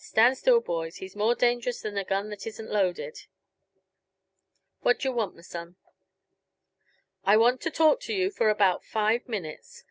"Stand still, boys; he's more dangerous than a gun that isn't loaded. What d'yuh want, m'son?" "I want to talk to you for about five minutes.